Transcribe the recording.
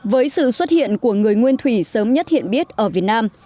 với sự xuất hiện của người nguyên thủy sớm nhất hiện biết ở việt nam